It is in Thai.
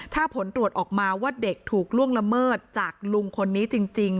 ถ้าผลตรวจออกมาว่าเด็กถูกล่วงละเมิดจากลุงคนนี้จริง